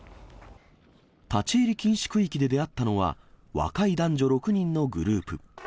立ち入り禁止区域で出会ったのは、若い男女６人のグループ。